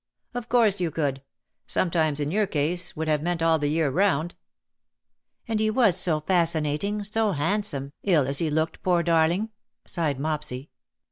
" Of course you could. Sometimes in your case would have meant all the year round. '^" And he was so fascinating, so handsome, ill as he looked, poor darling/' sighed Mopsy.